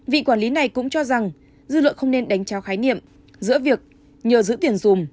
vị quản lý này cũng cho rằng dư luận không nên đánh trao khái niệm giữa việc nhờ giữ tiền dùm